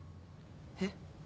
えっ？